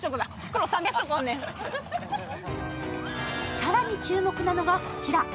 更に注目なのが、こちら。